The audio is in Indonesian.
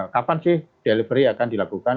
kapan sih delivery akan dilakukan